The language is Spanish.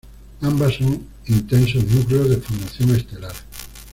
Ambas son intensos núcleos de formación estelar.